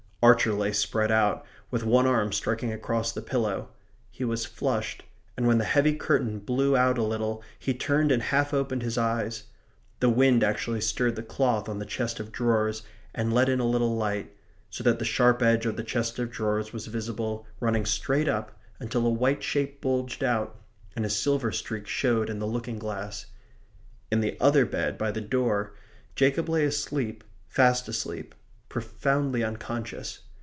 Archer lay spread out, with one arm striking across the pillow. He was flushed; and when the heavy curtain blew out a little he turned and half opened his eyes. The wind actually stirred the cloth on the chest of drawers, and let in a little light, so that the sharp edge of the chest of drawers was visible, running straight up, until a white shape bulged out; and a silver streak showed in the looking glass. In the other bed by the door Jacob lay asleep, fast asleep, profoundly unconscious.